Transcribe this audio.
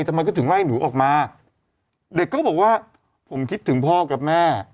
ทำไมก็ถึงไล่หนูออกมาเด็กก็บอกว่าผมคิดถึงพ่อกับแม่